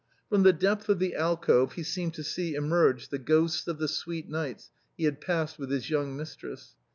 From the depth of the alcove he seemed to see emerge the ghosts of the sweet nights he had passed with his young mistress.